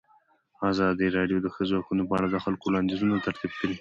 ازادي راډیو د د ښځو حقونه په اړه د خلکو وړاندیزونه ترتیب کړي.